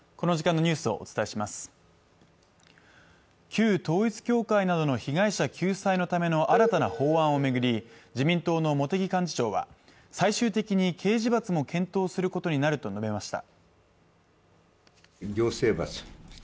旧統一教会などの被害者救済のための新たな法案を巡り、自民党の茂木幹事長は最終的に刑事罰も検討することになると述べました。